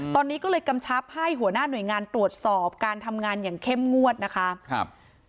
ตอนนี้ก็เลยกำชับให้หัวหน้าหน่วยงานตรวจสอบการทำงานอย่างเข้มงวดนะคะครับ